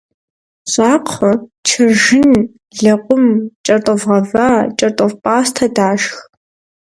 Щӏакхъуэ, чыржын, лэкъум, кӏэртӏоф гъэва, кӏэртӏоф пӏастэ дашх.